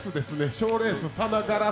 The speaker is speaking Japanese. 賞レースさながらの。